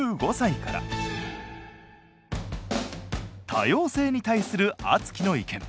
「多様性」に対するあつきの意見